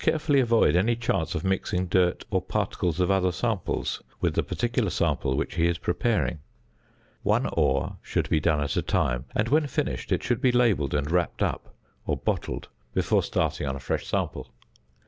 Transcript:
The student must carefully avoid any chance of mixing dirt or particles of other samples with the particular sample which he is preparing. One ore should be done at a time, and when finished, it should be labelled and wrapped up, or bottled, before starting on a fresh sample.